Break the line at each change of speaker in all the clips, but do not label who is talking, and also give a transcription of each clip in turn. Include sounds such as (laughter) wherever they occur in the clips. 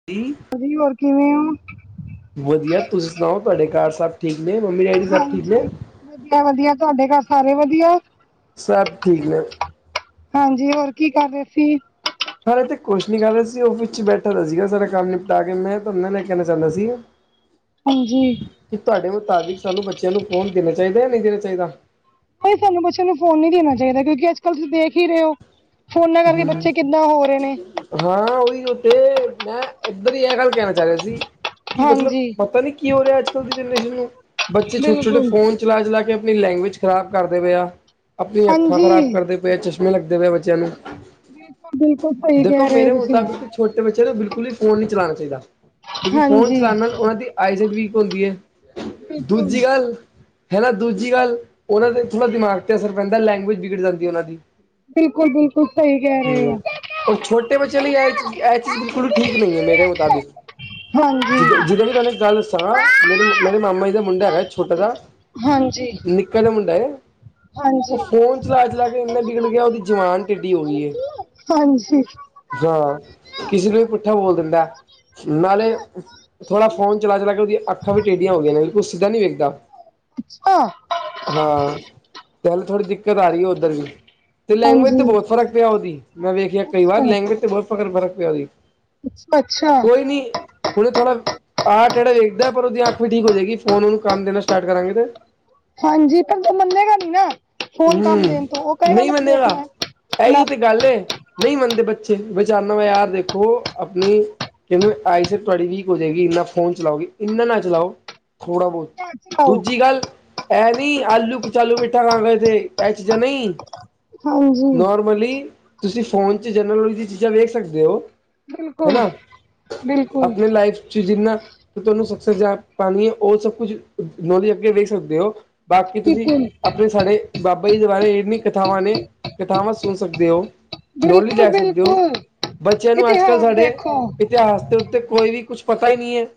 (unintelligible)
(unintelligible) ਹੋਰ ਕਿਵੇਂ ਓ?
ਵਦੀਆ ਤੁਸੀਂ ਸੁਨਾਓ ਤੁਆਡੇ ਘਰ ਸਭ ਠੀਕ ਨੇ, ਮੰਮੀ ਡੈਡੀ ਸਭ ਠੀਕ ਨੇ?
ਵਧੀਆ-ਵਧੀਆ ਤੁਆਡੇ ਘਰ ਸਾਰੇ ਵਧੀਆ।
ਸਭ ਠੀਕ ਨੇ।
ਹਾਂਜੀ, ਹੋਰ ਕੀ ਕਰ ਰਏ ਸੀ?
ਹਲੇ ਤਾਂ ਕੁਛ ਨੀ ਕਰਿਆਂ ਸੀ ਔਫਿਸ ਚ ਬੈਠਾ ਦਾ ਸੀਗਾ ਸਾਰਾ ਕੰਮ ਨਿਪਟਾ ਕੇ ਮੈਂ ਤੁਹਾਨੂੰ ਨਾਲ ਏ ਕੇਨਾ ਚਾਂਦਾ ਸੀ
ਹਾਂਜੀ
ਕਿ ਤੁਆਡੇ ਮੁਤਾਬਿਕ ਸਾਨੂੰ ਬੱਚਿਆ ਨੂੰ ਫ਼ੋਨ ਦੇਨਾ ਚਾਇਦਾ ਯਾ ਨਈ ਦੇਨਾ ਚਾਇਦਾ?
ਓਹੀ ਸਾਨੂੰ ਬੱਚਿਆ ਨੂੰ ਫੋਨ ਨਈ ਦੇਨਾ ਚਾਇਦਾ ਕਿਉਂਕਿ ਅੱਜ ਕੱਲ ਤੁਸੀਂ ਦੇਖ ਈ ਰਏ ਓ ਫੋਨਾਂ ਕਰਕੇ
ਹੂੰ,
ਬੱਚੇ ਕਿੱਦਾਂ ਹੋ ਰਏ ਨੇ
ਹਾਂ ਓਇਯੋ ਤੇ ਮੈਂ ਇੱਦਰ ਈ ਏ ਗੱਲ ਕੇਨਾ ਚਾ ਰਿਹਾ ਸੀ ਕਿ ਮਤਲਬ
ਹਾਂਜੀ
ਪਤਾ ਨੀ ਕੀ ਹੋ ਰਿਆ ਅੱਜ ਕੱਲ੍ਹ ਦੀ ਜਨਰੇਸ਼ਨ ਨੂੰ, ਬੱਚੇ ਛੋਟੇ-ਛੋਟੇ
ਬਿਲਕੁਲ
ਫੋਨ ਚਲਾ-ਚਲਾ ਕੇ ਅਪਣੀ ਲੈਂਗਵੇਜ ਖ਼ਰਾਬ ਕਰਦੇ ਪਏ ਆ, ਆਪਣੀ ਅੱਖਾਂ ਖ਼ਰਾਬ
ਹਾਂਜੀ
ਕਰਦੇ ਜੇ (unintelligible) ਚਸ਼ਮੇ ਲੱਗਦੇ ਪਏ ਬੱਚਿਆਂ ਨੂੰ
ਬਿਲਕੁਲ, ਸਹੀ
ਦੇਖੋ
ਕੇ ਰਏ ਓ
ਮੇਰੇ
ਤੁਸੀਂ
ਮੁਤਾਬਿਕ ਛੋਟੇ ਬੱਚਿਆਂ ਨੂੰ ਬਿਲਕੁਲ ਈ ਫੋਨ ਨੀ ਚਲਾਣਾ ਚਾਇਦਾ ਕਿਉਂਕਿ ਫੋਨ
ਹਾਂਜੀ
ਚਲਾਣ ਨਾਲ ਉਹਨਾਂ ਦੀ ਆਈਜਾਈਟ ਵੀਕ ਹੁੰਦੀ ਐ
ਬਿਲਕੁਲ
ਦੂਜੀ ਗੱਲ ਹਨਾ ਦੂਜੀ ਗੱਲ ਉਹਨਾਂ ਦੇ ਥੋੜ੍ਹਾ ਦਿਮਾਗ ਤੇ ਅਸਰ ਪੈਂਦਾ ਲੈਂਗਵੇਜ ਬਿਗੜ ਜਾਂਦੀ ਏ ਉਨਾਂ ਦੀ।
ਬਿਲਕੁਲ ਬਿਲ ਕੁੱ ਹੈ (unintelligible)
ਹੂੰ ਔਰ ਛੋਟੇ ਬੱਚੇਆ ਲਈ ਏ ਚੀਜ਼, ਏ ਚੀਜ਼ ਬਿਲਕੁ ਠੀਕ ਨਈ ਐਂ ਮੇਰੇ ਮੁਤਾਬਿਕ
ਹਾਂਜੀ।
ਜਿਦ ਜਿੱਦ ਵੀ ਤੁਆਨੂੰ ਇੱਕ ਗੱਲ ਦੱਸਾਂ ਮੇਰੇ ਮੇਰੇ ਮਾਮਾ ਈ ਦਾ ਮੁੰਡਾ ਹੈਗਾ ਛੋਟਾ ਜਯਾ
ਹਾਂਜੀ
ਕਦ (unintelligible) ਮੁੰਡਾ ਏ, ਉਹ
ਹਾਂਜੀ।
ਫੋਨ ਚਲਾ-ਚਲਾ ਕੇ ਇੰਨਾ ਬਿਗੜ ਗਿਆ ਉਦੀ ਜਵਾਨ ਟਿੱਡੀ ਹੋ ਗਈ ਹੈ।
ਹਾਂਜੀ
ਹਾਂ ਕਿਸੇ ਨੂੰ ਵੀ ਪੁੱਠਾ ਬੋਲ ਦਿੰਦਾ ਨਾਲੇ ਥੋੜਾ ਫੋਨ ਚਲਾ ਚਲਾ ਕੇ ਉਹਦੀ ਅਖਾਂ ਵੀ ਟੇਢੀਆਂ ਹੋ ਗਈਆਂ ਨੇ ੳਹ ਸਿੱਧਾ ਨਹੀ ਵੇਖਦਾ ਹਾਂ ਥੋੜੀ ਥੋੜੀ ਦਿੱਕਤ ਆ ਰਹੀ ਹੈ ਉੱਧਰ ਵੀ ਤੇ ਲੈਂਗੁਏਜ ਤੇ
ਹਾਂਜੀ
ਬਹੁਤ ਫਰਕ ਪਿਆ ਉਹਦੀ ਮੈਂ ਵੇਖਿਆ ਕਈ ਵਾਰ
ਅੱਛਾ
ਲੈਂਗੁਏਜ ਤੇ ਬਹੁਤ ਫਕਰ ਫਰਕ ਪਿਆ ਉਹਦੀ
ਅੱਛਾ ਅੱਛਾ।
ਕੋਈ ਨੀ ਹੁਣ ਥੋੜਾ ਆਹ ਟੇਢਾ ਵੇਖਦਾ ਹੈ ਪਰ ਉਹਦੀ ਅੱਖ ਵੀ ਠੀਕ ਹੋ ਜਾਏਗੀ ਫੋਨ ਉਹਨੂੰ ਕੰਮ ਦੇਣਾ ਸਟਾਟ ਕਰਾਂਗੇ ਤੇ
ਹਾਂਜੀ ਪਰ ਤਾ (unintelligible) ਮੰਨੇਗਾ ਨੀ ਨਾ ਫੋਨ ਕੰਮ
ਹਮ
ਦੇਣ ਤੋਂ ਉਹ ਕਹੇਗਾ
ਨਹੀਂ
ਮੈਂ ਤਾਂ
ਮੰਨੇਗਾ
ਦੇਖਣਾ ਹੈ ਨਾ।
ਐਹੀਓ ਤੇ ਗੱਲ ਏ ਨਹੀਂ ਮੰਨਦੇ ਬੱਚੇ ਵੇਚਚਾਨਾ (unintelligible) ਆ ਦੇਖੋ ਆਪਣੀ ਕਹਿੰਦੇ ਆਈ ਸਾਈਡ ਤੁਹਾਡੀ ਵੀਕ ਹੋ ਜਾਏਗੀ ਇੰਨਾ ਫੋਨ ਚਲਾਓਗੀ ਇੰਨਾ ਨਾ ਚਲਾਓ ਥੋੜ੍ਹਾ ਬਹੁਤ
ਘਰ ਚਲਾਓ।
ਦੂਜੀ ਗੱਲ ਇਹ ਨੀ ਆਲੂ ਕਚਾਲੂ ਬੇਟਾ ਕਹਾ ਗਏ ਐ ਚੀਜਾਂ ਨਹੀਂ
ਹਾਂਜੀ
ਨੋਰਮਲੀ ਤੁਸੀਂ ਫੋਨ ਚ ਜਰਨਲ ਨੋਲਜ ਦੀ ਚੀਜ਼ਾਂ ਵੇਖ ਸਕਦੇ ਹੋ
ਬਿਲਕੁਲ
ਹੈਣਾ
ਬਿਲਕੁਲ
ਆਪਣੀ ਲਾਈਫ ਤੁਸੀ ਜਿੰਨਾ ਤੁਹਾਨੂੰ ਸਸ ਜਾ ਪਾਣੀ ਹੈ (unintelligible) ਉਹ ਸਭ ਕੁਛ ਅੱਗੇ ਵੇਖ ਸਕਦੇ ਹੋ ਬਾਕੀ ਤੁਸੀਂ
ਬਿਲਕੁਲ
ਆਪਣੇ ਸਾਡੇ ਬਾਬਾ ਜੀ ਦੇ ਬਾਰੇ ਇੰਨੀ ਕਥਾਵਾਂ ਨੇ ਕਥਾਵਾਂ ਸੁਣ ਸਕਦੇ ਹੋ ਨੌਲੇਜ
ਬਿਲਕੁਲ
ਲੇ ਸਕਦੇ ਹੋ
ਬਿਲਕੁਲ
ਬੱਚਿਆਂ ਨੂੰ ਅੱਜ ਕੱਲ੍ਹ
ਇਤਿਹਾਸ
ਸਾਡੇ
ਦੇਖੋ
ਇ ਇਤਿਹਾਸ ਦੇ ਉੱਤੇ ਕੋਈ ਵੀ ਕੁਛ ਪਤਾ ਹੀ ਨਹੀਂ ਹੈ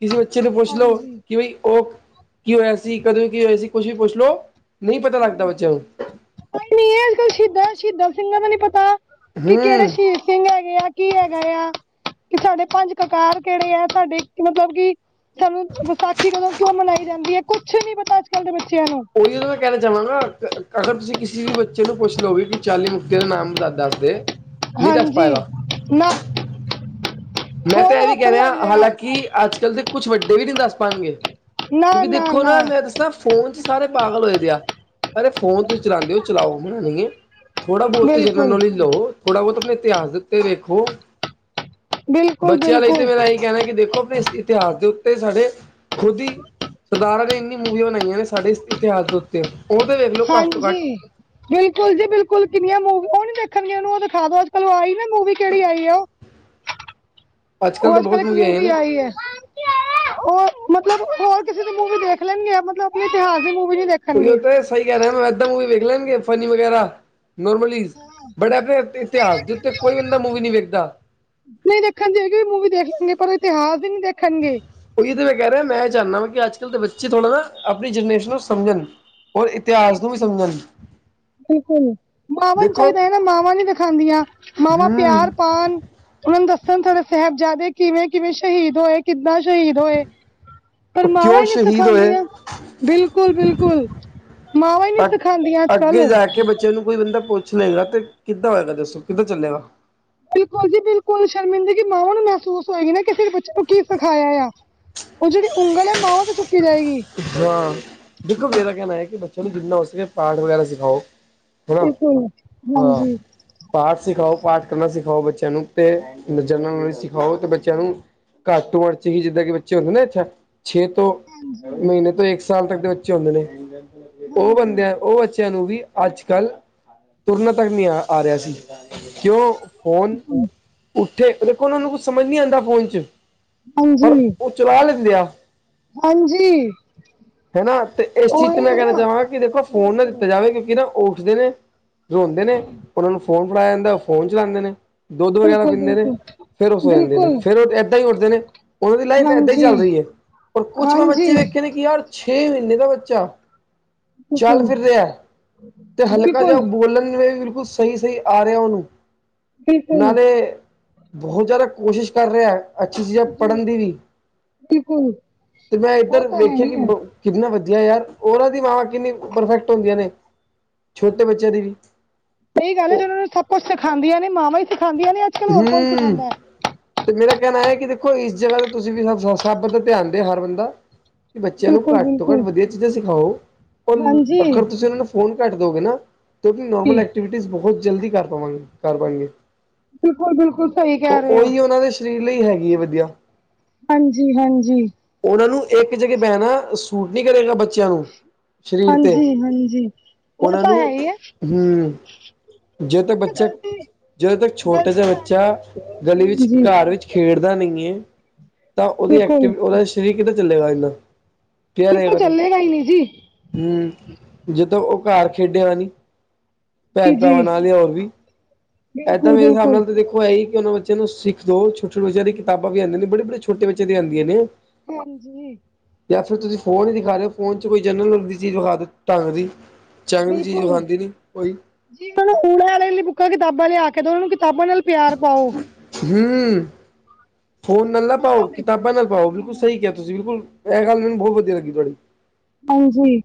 ਕਿਸੇ ਬੱਚੇ ਨੂੰ ਪੁੱਛ ਲਓ
ਹਾਂਜੀ
ਕਿ ਬਈ ਉਹ ਕੀ ਹੋਇਆ ਸੀ ਕਦੋਂ ਕੀ ਹੋਇਆ ਸੀ ਕੁਛ ਵੀ ਪੁੱਛ ਲੋ ਨਹੀਂ ਪਤਾ ਲੱਗਦਾ ਬੱਚਿਆਂ ਨੂੰ
ਕੋ ਨੀ (unintelligible) ਅੱਜ ਕੱਲ ਸ਼ਹੀਦਾਂ ਸ਼ਹੀਦਾਂ ਸਿੰਘਾਂ ਦਾ ਨੀ ਪਤਾ ਕਿ ਕਿਹੜੇ
ਹੂੰ
ਸ਼ਹੀਦ ਸਿੰਘ ਹੈਗੇ ਆ ਕੀ ਹੈਗਾ ਆ ਕਿ ਸਾਡੇ ਪੰਜ ਕਕਾਰ ਕਿਹੜੇ ਆ ਸਾਡੇ ਮਤਲਬ ਕਿ ਸਾਨੂੰ ਵਿਸਾਖੀ ਕਦੋਂ ਕਿਉਂ ਮਨਾਈ ਜਾਂਦੀ ਹੈ ਕੁੱਛ ਨੀ ਪਤਾ ਅੱਜ ਕੱਲ੍ਹ ਦੇ ਬੱਚਿਆਂ ਨੂੰ
ਉਹੀ ਉਹ ਤਾਂ ਮੈਂ ਕਹਿਣਾ ਚਾਹਵਾਂਗਾ ਅਗਰ ਤੁਸੀਂ ਕਿਸੇ ਵੀ ਬੱਚੇ ਨੂੰ ਪੁੱਛ ਲਓਗੇ ਕਿ ਚਾਲੀ ਮੁਕਤਿਆਂ ਦਾ ਨਾਮ ਦ ਦਸ ਦੇ ਨਹੀਂ ਦੱਸ
ਹਾਂਜੀ
ਪਾਏਗਾ
ਨਾ
ਮੈਂ ਤਾਂ
ਹੋਰ
ਐਹ ਵੀ ਕਹਿ
ਹੱਸਣ
ਰਿਹਾ
ਲੱਗ ਜਾਏਗਾ
ਹਾਲਾਂਕਿ ਅੱਜ ਕੱਲ੍ਹ ਦੇ ਕੁਛ ਵੱਡੇ ਵੀ ਨਹੀਂ ਦੱਸ ਪਾਣਗੇ ਕਿਉਂਕਿ ਦੇਖੋ ਨਾ ਮੈਂ ਦੱਸਾਂ ਫੋਨ ਚ ਸਾਰੇ ਪਾਗਲ ਹੋਏ ਦੇ ਆ ਪਰਰੇ ਫੋਨ ਦ ਚਲਾਂਦੇ ਓ ਚਲਾਓ (unintelligible) ਥੋੜਾ ਬਹੁਤ ਜਨਰਲ
ਬਿਲਕੁਲ
ਨੌਲੇਜ ਲਓ ਥੋੜਾ ਬਹੁਤ ਆਪਣੇ ਇਤਿਹਾਸ ਦੇ ਉੱਤੇ ਦੇਖੋ
ਬਿਲਕੁਲ
ਬੱਚਿਆਂ ਲਈ ਤੇ
ਬਿਲਕੁਲ
ਮੇਰਾ ਇਹੀ ਕਹਿਣਾ ਕਿ ਦੇਖੋ ਆਪਣੇ ਇਤਿਹਾਸ ਦੇ ਉੱਤੇ ਸਾਡੇ ਖੁਦ ਹੀ ਸਰਦਾਰਾਂ ਨੇ ਇੰਨੀ ਮੂਵੀਆਂ ਬਣਾਈਆਂ ਨੇ ਸਾਡੇ ਇਸ ਇਤਿਹਾਸ ਦੇ ਉੱਤੇ ਉਹ ਤੇ ਵੇਖ ਲਓ ਘੱਟ ਤੋਂ ਘੱਟ
ਹਾਂਜੀ ਬਿਲਕੁਲ ਜੀ ਬਿਲਕੁਲ ਕਿੰਨੀਆਂ ਮੂਵੀ ਉਹ ਨੀ ਦੇਖਣਗ ਉਹਨੂੰ ਉਹ ਦਿਖਾ ਦੋ ਅੱਜ ਕਲ ਉਹ ਆਈ ਨਾ ਮੂਵੀ ਕਿਹੜੀ ਆਈ ਹੈ ਉਹ ਉਹ ਅੱਜ ਕਲ ਇੱਕ ਮੂਵੀ ਆਈ ਹੈ। ਹੋਰ ਮਤਲਬ ਹੋਰ ਕਿਸੇ ਦੀ ਮੂਵੀ ਦੇਖ ਲੈਣ ਗੇ ਮਤਲਬ ਆਪਣੇ ਇਤਿਹਾਸ ਦੀ ਮੂਵੀ ਨੀ ਦੇਖ
ਉਹੀਉ ਤੇ ਨਲੀ ਸਹੀ ਕਹਿ ਰਿਹਾ ਮੈਂ ਇਦਾਂ ਮੂਵੀ ਦੇਖ ਲੈਗੇ ਫਨੀ ਵਗੈਰਾ ਨੋਰਮਲ ਬਟ ਆਪਨੇ ਇਤਿਹਾਸ ਦੇ ਉੱਤੇ ਕੋਈ ਬੰਦਾ ਮੂਵੀ ਨੀ ਵੇਖਦਾ।
ਨਈ ਦੇਖਣ ਦੀ ਹੋਏਗੀ ਮੂੰਵੀ ਦੇਖ ਲਣਗੇ ਪਰ ਇਤਿਹਾਸ ਦੀ ਨੀ ਦੇਖਣਗੇ।
ਉਹੀ ਤੇ ਮੈਂ ਕਹਿ ਰਿਹਾ ਮੈਂ ਚਾਨਾ ਵਾ ਕਿ ਅੱਜ ਕੱਲ੍ਹ ਦੇ ਬੱਚੇ ਥੋੜ੍ਹਾ ਨਾ ਆਪਣੀ ਜਨਰੇਸ਼ਨ ਨੂੰ ਸਮਝਣ। ਔਰ ਇਤਿਹਾਸ ਨੂੰ ਵੀ ਸਮਝਣ।
ਬਿਲਕੁਲ ਮਾਵਾਂ ਨੂੰ
ਦੇਖੋ
ਚਾਹੀਦਾ ਹੈ ਨਾ ਮਾਵਾ ਨੀ ਦਿਖਾਣਦੀਆਂ ਮਾਵਾ
ਹਮ
ਪਿਆਰ ਪਾਨ। ਉਨ ਦੱਸਣ ਸਾਡੇ ਸਾਹਿਬਜ਼ਾਦੇ ਕਿਵੇਂ ਕਿਵੇਂ ਸ਼ਹੀਦ ਹੋਏ। ਕਿੱਦਾਂ ਸ਼ਹੀਦ ਹੋਏ ਪਰ ਮਾਵਾਂ
ਕਿਉਂ
ਹੀ ਨੀ
ਸ਼ਹੀਦ ਹੋਏ
ਸਿਖਾਉਂਦੀਆ ਬਿਲਕੁਲ -ਬਿਲਕੁਲ। ਮਾਵਾਂ ਹੀ ਨਹੀਂ
ਅ
ਸਿਖਾਉਂਦੀਆਂ ਅੱਜ ਕੱਲ
ਅੱਗੇ ਜਾ ਕਿ ਬੱਚਿਆਂ ਨੂੰ ਕੋਈ ਬੰਦਾ ਪੁੱਛ ਲਗਾ ਤੇ ਕਿੱਦਾਂ ਹੋਏਗਾ ਦੱਸੋ ਕਿੱਦਾ ਚੱਲੇਗਾ।
ਬਿਲਕੁਲ ਜੀ ਬਿਲਕੁਲ ਸ਼ਰਮਿੰਦਗੀ ਮਾਵਾਂ ਨੂੰ ਮਹਿਸੂਸ ਹੋਏਗੀ ਨਾ ਕਿਸੇ ਬੱਚੇ ਨੂੰ ਕੀ ਸਿਖਾਇਆ ਆ। ਉਹ ਜਿਹੜੀ ਉਂਗਲ ਮਾਹਵਾਂ ਤੇ ਚੁੱਕੀ ਜਾਏਗੀ।
ਡਾਂ ਦੇਖੋ ਮੇਰਾ ਕਹਿਣਾ ਹੈ ਕਿ ਬੱਚਿਆਂ ਨੂੰ ਜਿੰਨਾ ਹੋ ਸਕੇ ਪਾਠ ਵਗੈਰਾ ਸਿਖਾਓ। ਹੈਨਾ
ਬਿਲਕੁਲ
ਹਾਂ।
ਹਾਂਜੀ
ਪਾਠ ਸਿਖਾਓ ਪਾਠ ਕਰਨਾ ਸਿਖਾਓ ਬੱਚਿਆਂ ਨੂੰ ਤੇ ਜਰਨਜ ਨੋਲੇਜ ਸਿਖਾਓ ਤੇ ਬੱਚਿਆਂ ਨੂੰ ਘੱਟ ਉਮਣ ਚ ਹੀ ਜਿੱਦਾ ਕਿ ਬੱਚੇ ਹੁੰਦੇ ਨਾ ਅੱਛਾ ਛੇ ਤੋ
ਹਾਂਜੀ
ਮਹੀਨੇ ਤੋਂ ਇੱਕ ਸਾਲ ਤੱਕ ਦੇ ਬੱਚੇ ਹੁੰਦੇ ਨੇ ਉਹ
ਹਾਂਜੀ
ਬੰਦਿਆਂ ਉਹ ਬੱਚਿਆਂ ਨੂੰ ਵੀ ਅੱਜ ਕੱਲ੍ਹ ਤੁਰਨਾ ਤੱਕ ਨੀ ਆ, ਆ ਰਿਹਾ ਸੀ। ਕਿਉਂ ਫੋਨ ਉੱਠੇ ਦੇਖੋ ਉਹ ਨੂੰ ਕੁਛ ਸਮਝ ਨੀ ਆਉਂਦਾ ਫੋਨ ਚ। ਪਰ
ਹਾਂਜੀ
ਉਹ ਚਲਾ ਲੈਂਦੇ ਆ।
ਹਾਂਜੀ
ਹਨਾ ਤੇ ਇਸ ਚੀਜ਼ ਤੇ
ਉਹੀ
ਮੈਂ
ਹੈ
ਕਹਿਣਾ
ਨਾ
ਚਾਹਵਾਂਗਾ ਕਿ ਦੇਖੋ ਫੋਨ ਨਾ
ਬਿਲਕੁਲ
ਦਿੱਤਾ ਜਾਵੇ ਕਿਉਂਕਿ ਨਾ ਉਹ ਉੱਠਦੇ ਨੇ ਰੋਂਦੇ ਨੇ ਉਹਨਾਂ ਨੂੰ ਫੋਨ ਫੜਾਇਆ ਜਾਂਦਾ ਫੋਨ ਚਲਾਉਂਦੇ ਨੇ ਦੁੱਧ ਵਗੈਰਾ
ਬਿਲਕੁਲ
ਪੀਂਦੇ ਨੇ।
ਬਿਲਕੁਲ
ਫੇਰ ਉਹ ਸੋ ਜਾਂਦੇ ਨੇ
ਬਿਲਕੁਲ
ਫੇਰ ਉਹ ਏਦਾਂ ਹੀ ਉੱਠਦੇ ਨੇ ਉਹਨਾਂ ਦੀ ਲਾਈਫ ਏਦਾਂ ਹੀ
ਹਾਂਜੀ
ਚੱਲ ਰਹੀ ਹੈ ਰ ਕੁਛ ਮ ਬੇ
ਹਾਂਜੀ
ਪਤਾ ਕਿ ਯਾਰ ਛੇ ਮਹੀਨੇ ਦਾ ਬੱਚਾ ਚੱਲ
ਬਿਲਕੁਲ
ਫਿਰ ਰਿਹਾ ਤੇ ਹਲਕਾ ਜਿਹਾ
ਬਿਲਕੁਲ
ਬੋਲਣ ਵੇਲੇ ਬਿਲਕੁਲ ਸਹੀ-ਸਹੀ ਆ ਰਿਹਾ ਉਹਨੂੰ
ਬਿਲਕੁਲ
ਨਾਲੇ ਬਹੁਤ ਜਾਦਾ ਕੋਸ਼ਿਸ਼ ਕਰ ਰਿਹਾ। ਅੱਛੀ ਚੀਜ਼ ਹੈ ਪੜ੍ਹਨ
ਜੀ
ਦੀ ਵੀ,
ਬਿਲਕੁਲ
ਤੇ ਮੈਂ
ਉਹ
ਇੱਧਰ
ਤਾਂ ਹੈ
ਵੇਖੀਆ
ਹੀ
ਕਿ
ਹੈ
ਕਿੰਨਾ ਵਧੀਆ ਯਾਰ ਉਹਨਾਂ ਦੀ ਮਾਵਾਂ ਕਿੰਨੀ ਪਰਫੈਕਟ ਹੁੰਦੀਆਂ ਨੇ ਛੋਟੇ ਬੱਚਿਆ ਦੀ ਵੀ।
ਸਹੀ ਗੱਲ ਹੈ ਜੇ ਉਹਨਾਂ ਨੂੰ ਸਭ ਕੁਛ ਸਿਖਾਉਂਦੀਆਂ ਨੇ ਮਵਾਂ ਹੀ ਸਿਖਾਂਦੀਆ ਨੇ। ਅੱਜਕੱਲ ਹੋਰ ਕੌਣ
ਹਮ
ਸਿਖਾਉਂਦਾ ਹੈ
ਤੇ ਮੇਰਾ ਕਹਿਣਾ ਹੈ ਕਿ ਦੇਖੋ ਇਸ ਜਗ੍ਹਾ ਤੇ ਤੁਸੀ ਵੀ ਸਭ ਦਾ ਧਿਆਨ ਦੇ ਹਰ ਬੰਦਾ। ਬੱਚਿਆ ਨੂੰ
ਬਿਲਕੁਲ
ਘੱਟ ਤੋਂ ਘੱਟ
ਬਿਲਕੁਲ
ਵਧੀਆ ਚੀਜ਼ਾਂ ਸਿਖਾਓ, ਔ
ਹਾਂਜੀ
ਅਗਰ ਤੁਸੀ ਉਹਨਾ ਨੂੰ ਫ਼ੋਨ ਘੱਟ ਦੋਗੇ ਨਾ ਤੋ ਕੀ
ਜੀ
ਨੋਰਮਲ ਐਕਟੀਵਿਟੀ ਬਹੁਤ ਜਲਦੀ ਕਰ ਪਾਵਾਂਗੇ ਕਰ ਪਾਏਗੇ।
ਬਿਲਕੁਲ-ਬਿਲਕੁਲ ਸਹੀ ਕਹਿ ਰਹੇ ਹੋ।
ਉਹਨਾਂ ਦੇ ਸਰੀਰ ਲਈ ਹੈਗੀ ਏ ਵਧੀਆ।
ਹਾਂਜੀ-ਹਾਂਜੀ
ਉਹਨਾਂ ਨੂੰ ਇੱਕ ਜਗਾ ਬਹਿਣਾ ਸੂਟ ਨੀ ਕਰੇਗਾ ਬੱਚਿਆਂ ਨੂੰ। ਸਰੀਰ ਤੇ,
ਹਾਂਜੀ ਹਾਂਜੀ ਉਹ
ਉਹਨਾਂ
ਤਾਂ
ਨੂੰ
ਹੈ ਹੀ ਹੈ
ਹਮ। ਜੇ ਤੇ ਬੱਚਾ ਜੇ ਤੱਕ ਛੋਟਾ ਬੱਚਾ ਗਲੀ ਵਿੱਚ
ਹਾਂਜੀ
ਘਰ ਵਿੱਚ ਖੇਡਦਾ ਨਹੀ ਹੈ ਤਾਂ ਉਹਦੀ
ਬਿਲਕੁਲ
ਐਕਟੀਵ ਉਹਰਾ ਸਰੀਰ ਕਿੱਧਾਂ ਚੱਲੇਗਾ ਇੰਨਾ ਪਿਆ
ਬਿਲਕੁਲ
ਰਹੇਗਾ ਤੇ।
ਚੱਲੇਗਾ ਹੀ ਨਹੀਂ ਜੀ
ਹਮ ਜੇ ਤੋ ਉਹ ਘਰ ਖੇਡਿਆ ਨੀ
ਜੀ
ਭੈਣ ਭਰਾਵਾ
ਜੀ
ਨਾਲ ਹੀ ਹੋਰ ਵੀ ਇਦਾ
ਬਿਲਕੁਲ
ਮੇਰੇ ਹਿਸਾਬ
ਬਿਲਕੁਲ
ਨਾਲ ਤਾਂ ਦੇਖੋ ਇਹ ਹੀ ਕਿ ਉਨਾ ਬੱਚਿਆ ਨੂੰ ਸਿੱਖ ਦੋ ਛੋਟੇ-ਛੋਟੇ ਬੱਚਿਆਂ ਦੀ ਕਿਤਾਬਾ ਵੀ ਆਦੀਆ ਨੇ ਬੜੇ-ਬੜੇ ਛੋਟੇ ਬੱਚਿਆ ਦੀ ਆਦੀਆ ਨੇ।
ਹਾਂਜੀ।
(inaudible) ਚੰਗੀ ਚੀਜ਼ ਉਹ ਖਾਂਦੀ ਨਹੀਂ ਕੋਈ
ਜ ਉਹ ਨੂੰ ਉਰੇ ਅਰੇ ਵਾਲੇ ਲਈ ਬੁੱਕਾਂ ਕਿਤਾਬਾਂ ਲਿਆ ਕੇ ਤੇ ਉਹ ਨੂੰ ਕਿਤਾਬਾਂ ਨਾਲ ਪਿਆਰ ਪਾਓ।
ਹਮ ਫੋਨ ਨਾਲ ਨਾ
ਅੱਜਕੱਲ
ਪਾਓ
ਦੇਖੋ
ਕਿਤਾਬਾਂ ਨਾਲ ਪਾਓ ਬਿਲਕੁਲ ਸਹੀ ਕਿਹਾ। ਤੁਸੀ ਬਿਲਕੁਲ ਇਹ ਗੱਲ ਮੈਨੂੰ ਬਹੁਤ ਵਧੀਆ ਲੱਗੀ ਤੁਹਾਡੀ
ਹਾਂਜੀ।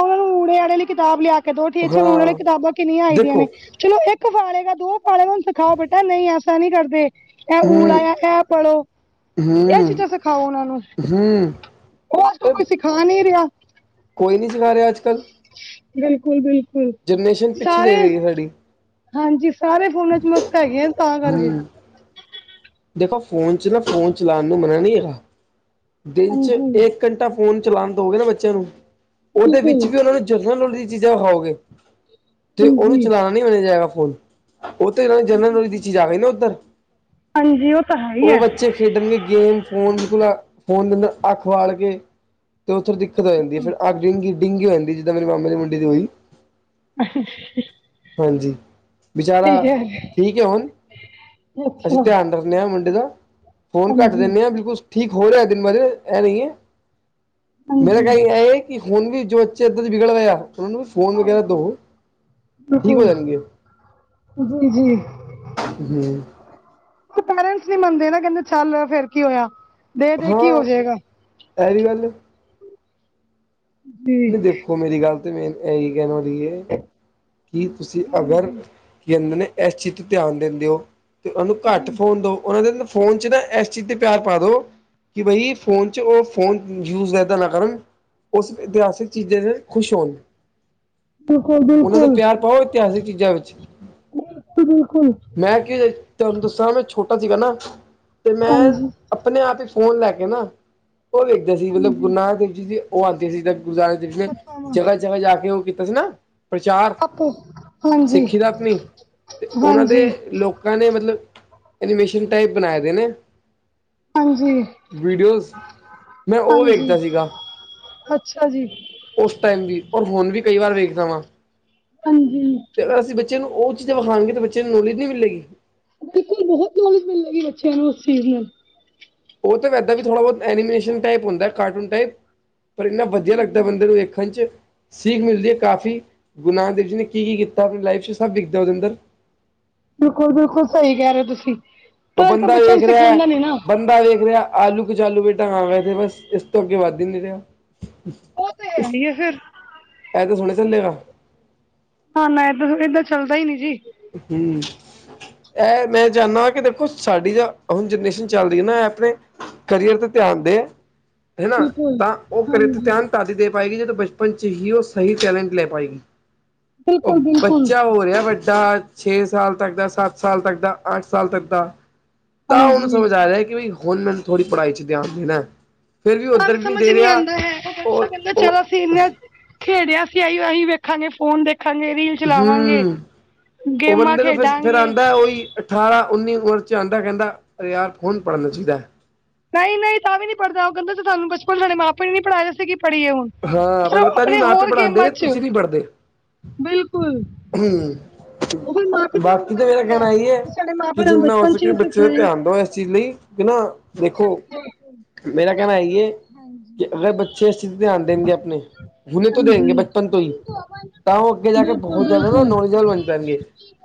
ਉਹ ਨੂੰ ਉੜੇ ਆੜੇ ਲਈ ਕਿਤਾਬ ਲਿਆ ਕੇ ਦੋ ਟੀਚਰ ਹੋਣ ਵਾਲੀਆਂ
ਹਾਂ
ਕਿਤਾਬਾਂ ਕਿੰਨੀਆਂ ਆਈ ਦੀਆਂ
ਦੇਖੋ
ਨੇ। ਚਲੋ ਇੱਕ ਪਾਲੇਗਾ ਦੋ ਪਾਲੇਗਾ ਹੂੰ ਸਿਖਾਓ ਬੇਟਾ ਨਹੀਂ ਐਸਾ ਨਹੀਂ ਕਰਦੇ। ਇਹ
ਹੂੰ
ਉਰਾ ਐਰਾ ਇਹ ਪੜਲੋ ਇਹ
ਹੂੰ
ਚੀਜ਼ਾਂ ਸਿਖਾਓ ਉਹਨਾਂ ਨੂੰ
ਹੂੰ
ਉਹ ਅੱਜ ਕੋਈ ਸਿਖਾ ਨੀ ਰਿਹਾ।
ਕੋ ਨਹੀਂ ਸਿੱਖ ਰਿਹਾ ਅੱਜ ਕੱਲ
ਬਿਲਕੁਲ - ਬਿਲਕੁਲ।
ਜਨਰੇਸ਼ਨ ਪਿੱਛੇ ਦੇ
ਸਾਰੇ
ਰਹੀਗੀ ਸਾਡੀ।
ਹਾਂਜੀ। ਸਾਰੇ ਫੋਨਾਂ ਚ ਮਸਤ ਹੈਗੇ ਆ ਤਾਂ ਕਰਕੇ
ਹਮ ਦੇਖੋ ਫੋਨ ਚ' ਨਾ ਫੋਨ ਚਲਾਉਣ ਨੂੰ ਮਨ ਨਹੀਂ ਹੈਗਾ ਦਿਨ ਚ
ਹਾਂਜੀ
ਇੱਕ ਘੰਟਾ ਫੋਨ ਚਲਾਉਣ ਦਓਗੇ ਨਾ ਬੱਚਿਆਂ ਨੂੰ ਉਹਦੇ ਵਿੱਚ
ਬਿਲਕੁਲ,
ਵੀ ਉਹਨਾਂ ਨੂੰ ਜਰਨਲ ਨੋਲਜ ਦੀਆਂ ਚੀਜ਼ਾਂ ਵਿਖਾਓਗੇ ਤੇ ਉਹਨੂੰ
ਹਾਂਜੀ
ਚਲਾਣਾ ਨਹੀਂ ਮਿਲਿਆ ਜਾਏਗਾ ਫੋਨ। ਉਹ ਤੇ ਇਹਨਾਂ ਦੀ ਜਨਰਲ ਨੌਲਜ ਦੀ ਚੀਜ਼ ਆ ਗਈ ਨਾ ਉੱਧਰ
ਹਾਂਜੀ। ਉਹ ਤਾਂ ਹੈ। ਹੀ ਹੈ
ਉਹ ਬੱਚੇ ਖੇਡਣਗੇ ਗੇਮ ਫੋਨ ਚ ਨਾ, ਫੋਨ ਦੇ ਅੰਦਰ ਅੱਖ ਵਾੜ ਕੇ ਤੇ ਉੱਥੇ ਦਿੱਕਤ ਹੋ ਜਾਂਦੀ ਫਿਰ ਅੱਖ ਡੀਂਗੀ-ਡੀਂਗੀ ਹੋ ਜਾਂਦੀ ਜਿੱਦਾਂ ਮੇਰੇ ਮਾਮੇ ਦੇ ਮੁੰਡਏ ਦੀ ਹੋਈ। ਹਾਂਜੀ। ਵਿਚਾਰਾ
ਠੀਕ ਹੈ
ਠੀਕ ਹੈ ਹੁਣ।
ਅੱਛਾ।
ਡਰਨੇ ਆ ਮੁੰਡੇ ਦਾ। ਫੋਨ ਕਟ
ਹਾਂਜੀ
ਦਿੰਦੇ ਹਾਂ ਬਿਲਕੁਲ ਠੀਕ ਹੋ ਰਿਹਾ ਦਿਨ ਬੇ ਦਿਨ ਐ ਨਹੀਂ ਹੈ ਮੇਰਾ
ਹਾਂਜੀ
ਕਹਿਣਾ ਹੈ। ਕਿ ਹੁਣ ਵੀ ਜੋ ਬੱਚੇ ਇੱਦਾਂ ਵਿਗੜ ਰਏ ਆ ਉਹਨਾਂ ਨੂੰ ਵੀ ਫ਼ੋਨ ਵਗੈਰਾ ਦੋ
ਹਾਂਜੀ
ਠੀਕ ਹੋ
ਬਿਲਕੁਲ
ਜਾਣਗੇ ਓ।
ਜੀ ਜੀ। ਇੱਕ ਪੇਰੈਂਟਸ ਨੀ ਮੰਨਦੇ ਨਾ ਕਹਿੰਦੇ ਚੱਲ ਫਿਰ ਕੀ ਹੋਇਆ। ਦੇ ਦੇ ਕੀ ਹੋ
ਹਾਂ।
ਜਾਏਗਾ
ਇਹ ਹੀ ਗੱਲ
ਜੀ
ਨਹੀਂ ਦੇਖੋ ਮੇਰੀ ਗੱਲ ਤੇ ਮੇਨ ਇਹੀ ਕਹਿਣ ਵਾਲੀ ਹੈ। ਕੀ ਤੁਸੀਂ ਅਗਰ
ਹਾਂਜੀ
ਕੀ ਕਹਿੰਦੇ ਨੇ, ਇਸ ਚੀਜ਼ ਤੇ ਧਿਆਨ ਦਿੰਦੇ ਹੋ। ਤੇ ਉਹਨ ਨੂੰ ਘੱਟ
ਜੀ
ਫੋਨ ਦੋ, ਉਹਨਾਂ ਦੇ ਫੋਨ ਚ ਨਾ ਇਸ ਚੀਜ਼ ਤੇ ਪਿਆਰ ਪਾ ਦੋ ਕਿ ਬਾਈ ਫੋਨ 'ਚ ਉਹ ਫੋਨ ਯੂਜ ਇਦਾਂ ਨਾ ਕਰਨ ਉਸ ਇਤਿਹਾਸਿਕ ਚੀਜ਼ਾਂ ' ਤੇ ਨਾ ਖੁਸ਼ ਹੋਣ
ਕਦੇ
ਉਹਨਾਂ ਦਾ ਪਿਆਰ ਪਾਓ ਇਤਿਹਾਸਿਕ ਚੀਜ਼ਾਂ ਵਿੱਚ।
ਬਿਲਕੁਲ, ਬਿਲਕੁਲ
ਮੈਂ ਕੀ ਹੁੰਦਾ, ਤੁਹਾਨੂੰ ਦੱਸਾਂ ਮੈਂ ਛੋਟਾ ਸੀਗਾ ਨਾ ਤੇ ਮੈਂ
ਹਾਂਜੀ
ਆਪਣੇ ਆਪ ਹੀ ਫੋਨ ਲੈ ਕੇ ਨਾ, ਉਹ ਵੇਖਦੇ ਸੀ ਮਤਲਬ ਗੁਰੂ ਨਾਨਕ ਦੇਵ ਜੀ ਦੀ ਉਹ ਆਉਂਦੇ ਸੀ ਤਾ ਗੁਰੂ ਨਾਨਕ ਦੇਖੀਆਂ
ਪਛਤਾਵਾ
ਜਗ੍ਹਾ-ਜਗ੍ਹਾ ਜਾ ਕੇ ਉਹ ਕੀਤਾ ਸੀ ਨਾ ਪ੍ਰਚਾਰ-
ਆਪੋ ਹਾਂਜੀ
ਸਿੱਖੀ ਦਾ ਆਪਣੀ ਅਤੇ ਉਹਨਾਂ ਦੇ
ਹਾਂਜੀ
ਲੋਕ ਲੋਕਾਂ ਨੇ ਮਤਲਬ ਐਨੀਮੇਸ਼ਨ ਟਾਈਪ ਬਣਾ ਰਹੇ ਨੇ
ਹਾਂਜੀ
ਵੀਡੀਓਜ਼, ਮੈਂ ਉਹ
ਹਾਂਜੀ
ਵੇਖਦਾ ਸੀਗਾ
ਅੱਛਾ ਜੀ।
ਉਸ ਟਾਈਮ ਵੀ ਔਰ ਹੁਣ ਵੀ ਕਈ ਵਾਰ ਵੇਖਦਾ ਵਾਂ
ਹਾਂਜੀ।
ਤੇ ਅਗਰ ਅਸੀਂ ਬੱਚੇ ਨੂੰ ਉਹ ਚੀਜ਼ਾਂ ਵਿਖਾਣਗੇ, ਤਾਂ ਬੱਚੇ ਨੂੰ ਨੌਲੇਜ ਨਹੀਂ ਮਿਲੇਗੀ।
ਬਿਲਕੁਲ ਬਹੁਤ ਨੌਲੇਜ ਮਿਲੇਗੀ, ਬੱਚਿਆਂ ਨੂੰ ਉਸ ਚੀਜ਼ ਨਾਲ
ਉਹ ਤਾਂ ਵੀ ਇਦਾਂ ਵੀ ਥੋੜ੍ਹਾ ਬਹੁਤ ਐਨੀਮੇਸ਼ਨ ਟਾਈਪ ਹੁੰਦਾ ਕਾਰਟੂਨ ਟਾਈਪ। ਪਰ ਇੰਨਾ ਵਧੀਆ ਲੱਗਦਾ ਬੰਦੇ ਨੂੰ ਵੇਖਣ 'ਚ ਸਿੱਖ ਮਿਲਦੀ ਹੈ ਕਾਫੀ ਗੁਰੂ ਨਾਨਕ ਦੇਵ ਜੀ ਨੇ ਕੀ-ਕੀ ਕੀਤਾ ਆਪਣੀ ਲਾਈਫ 'ਚ ਸਭ ਵਿਖਦਾ ਉਹਦੇ ਅੰਦਰ।
ਬਿਲਕੁਲ-ਬਿਲਕੁਲ ਸਹੀ ਕਹਿ ਰਹੇ ਹੋ ਤੁਸੀਂ।
ਉਹ
ਪਰ ਅੱਜ ਕੱਲ੍ਹ
ਬੰਦਾ
ਬੱਚਿਆਂ
ਵੇਖ
ਨੂੰ
ਰਿਹਾ,
ਸਿਖਾਉਂਦਾ ਨਹੀਂ ਨਾ
ਬੰਦਾ ਦਾ ਵੇਖ ਰਿਹਾ ਆਲੂ ਕਚਾਲੂ ਬੇਟਾ ਹਾਂ ਐ ਤੇ ਬਸ ਇਸ ਤੋਂ ਅੱਗੇ ਵੱਧ ਹੀ ਨੀ ਰਿਹਾ।
ਉਹ ਤੇ ਹੈ ਹੀ ਐ ਫਿਰ।
ਇਦਾਂ ਸੋਗੋ ਚੱਲੇ ਆ
ਹਾਂ ਨਾ ਏਦਾਂ ਚੱਲਦਾ ਹੀ ਨੀ ਜੀ
ਹੂ,,, ਇਹ ਮੈਂ ਚਾਹੁੰਦਾ ਕਿ ਦੇਖੋ ਸਾਡੀ ਜਾਂ ਹੁਣ ਜਨਰੇਸ਼ਨ ਚੱਲਦੀ ਹੈ ਨਾ ਆਪਣੇ ਕਰੀਅਰ ਤੇ ਧਿਆਨ ਦੇਨ, ਹਨਾ
ਬਿਲਕੁਲ
ਤਾਂ ਉਹ ਕਰੀਅਰ ਤੇ
ਹਾਂਜੀ
ਧਿਆਨ ਤਦ ਹੀ ਦੇ ਪਾਏਗੀ ਜਦੋਂ ਬਚਪਨ ਚ ਹੀ ਉਹ ਸਹੀ ਟੈਲੈਂਟ ਲੈ ਪਾਏਗੀ। ਉਹ
ਬਿਲਕੁਲ ਬਿਲਕੁਲ
ਬੱਚਾ ਹੋ ਰਿਹਾ ਬਟ ਚਾ ਛੇ ਸਾਲ ਤੱਕ ਦਾ, ਸੱਤ ਸਾਲ ਤੱਕ ਦਾ, ਅੱਠ ਸਾਲ ਤੱਕ ਦਾ, ਤਾਂ ਉਹਨੂੰ
ਹਾਂਜੀ
ਸਮਝ ਆ ਰਿਹਾ ਕਿ ਹੁਣ ਥੋੜੀ ਪੜ੍ਹਾਈ ' ਧਿਆਨ ਦੇਣਾ ਫਿਰ ਵੀ
ਤਾਂ
ਉੱਧਰ ਵੀ ਨਹੀਂ
ਸਮਝ
ਦੇ
ਨੀ
ਰਿਹਾ
ਆਂਦਾ ਹੈ ਬੱਚਾ
ਉਹ ਉਹ
(unintelligible) ਖੇਡਿਆ ਸੀਈ ਅਸੀਂ ਵੇਖਾਂਗੇ ਫੋਨ ਦੇਖ ਦੇਖਾਂਗੇ ਵੀ ਚਲਾਵਾਂਗੇ
ਹੂੰ ਉਹ
ਗੇਮਾਂ
ਬੰਦੇ ਨੂੰ ਫਿਰ ਫਿਰ
ਖੇਡਾਂਗੇ
ਆਉਂਦਾ ਉਹੀ ਅਠਾਰਾਂ ਉੱਨੀ ਉਮਰ 'ਚ ਆਉਂਦਾ ਕਹਿੰਦਾ ਯਾਰ ਹੁਣ ਪੜ੍ਹਨਾ ਚਾਹੀਦਾ ਹੈ।
ਨਹੀਂ ਨਹੀਂ ਤਾਂ ਵੀ ਨੀ ਪੜ੍ਹਦਾ ਉਹ ਕਹਿੰਦਾ ਤੇ ਤੁਹਾਨੂੰ ਬਚਪਨ ਮਾ ਪਓ ਨੇ ਪੜਾਇਆ ਸੀਗੀ ਪੜੀਏ ਹੁਣ
ਹਾਂ
ਫਿਰ
ਪਰ ਉਹ ਤਾਂ ਨੀ
ਆਪਣੇ
ਮਾਂ ਪਿਓ
ਹੋਰ ਗੇਮਾਂ
ਪੜ੍ਹਾਉਂਦੇ
ਚ
ਤੁਸੀਂ ਨੀ ਪੜ੍ਹਦੇ
ਬਿਲਕੁਲ
ਹੂ
ਉਹ ਫਿਰ ਮਾਂ ਪਿਓ ਤੇ
ਬਾਕੀ
ਉਂਗਲ
ਤਾਂ ਮੇਰਾ
ਆਂਦੀ
ਕਹਿਣਾ ਇਹੀ ਹੈ
ਸਾਡੇ ਮਾਂ
ਕਿ
ਪਿਓ ਸਾਨੂੰ
ਜਿੰਨਾ ਹੋ
ਬਚਪਨ ਚ
ਸਕੇ
ਵੀ
ਬੱਚੇ ਦਾ
ਸਿਖਾਏ
ਧਿਆਨ ਦਓ ਇਸ ਚੀਜ਼ ਲਈ ਕਿ ਨਾ ਦੇਖੋ ਮੇਰਾ ਕਹਿਣਾ ਹੈ ਕਿ ਅਗਰ ਬੱਚੇ ਦੇਗੇ ਆਪਣੇ ਹੁਣੇ ਤੋਂ ਦੇਗੇ
ਹਾਂਜੀ
ਬਚਪਨ ਤੋਂ ਹੀ ਤਾਂ ਉਹ ਅੱਗੇ ਜਾ ਕੇ
ਬਿਲਕੁਲ
ਬਹੁਤ ਜ਼ਿਆਦਾ ਨਾ
ਬਿਲਕੁਲ
ਨੌਜਵਾਨ ਬਣ ਜਾਏਗੇ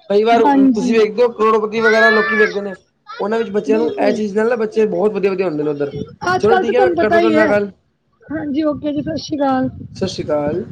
ਕਈ ਵਾਰ ਤੁਸੀਂ
ਹਾਂਜੀ
ਵੇਖਦੇ ਹੋ ਕਰੋੜਪਤੀ ਵਗੈਰਾ ਲੋਕੀ ਵੇਖਦੇ ਨੇ ਉਹਨਾਂ ਵਿੱਚ ਬੱਚਿਆਂ ਨੂੰ ਇਹ
ਬਿਲਕੁਲ
ਚੀਜ਼ ਨਾ ਲੱਭ ਬੱਚੇ ਬਹੁਤ ਵਧੀਆ ਵਧੀਆ ਉੱਧਰ
ਅੱਜ
ਚਲੋ
ਕੱਲ ਤਾਂ
ਠੀਕ ਮੈਂ
ਤੁਹਾਨੂੰ ਪਤਾ
ਕਰਦਾ ਉਨਾਂ
ਹੀ ਹੈ
ਨਾਲ ਗੱਲ
ਹਾਂਜੀ ਓਕੇ ਜੀ ਸਤਿ ਸ਼੍ਰੀ ਅਕਾਲ
ਸਤਿ ਸ਼੍ਰੀ ਅਕਾਲ